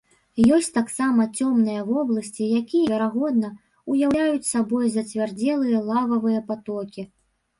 Ёсць таксама цёмныя вобласці, якія, верагодна, уяўляюць сабою зацвярдзелыя лававыя патокі.